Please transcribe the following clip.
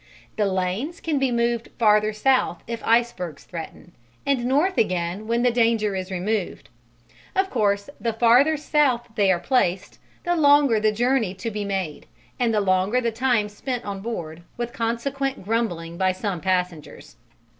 The "lanes" can be moved farther south if icebergs threaten, and north again when the danger is removed. Of course the farther south they are placed, the longer the journey to be made, and the longer the time spent on board, with consequent grumbling by some passengers.